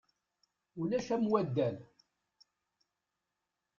Ulac am waddal.